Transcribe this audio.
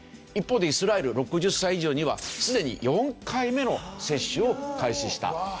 一方でイスラエル６０歳以上にはすでに４回目の接種を開始した。